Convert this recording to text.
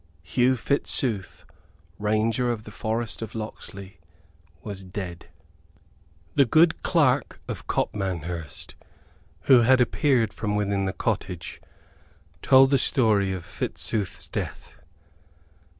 Hugh Fitzooth, Ranger of the Forest of Locksley, was dead. The good Clerk of Copmanhurst, who had appeared from within the cottage, told the story of Fitzooth's death.